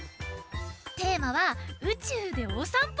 テーマは「うちゅうでおさんぽ」。